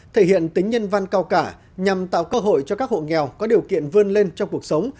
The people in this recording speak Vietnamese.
thể hiện tính nhân văn cao cả nhằm tạo cơ hội cho các hộ nghèo có điều kiện vươn lên trong cuộc sống